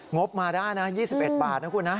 บมาได้นะ๒๑บาทนะคุณนะ